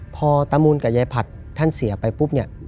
พอตามูลกับยายผัดท่านเสียไปปุ๊บเนี่ย